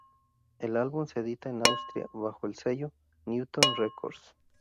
El álbum se edita en Austria bajo el sello Newton Records.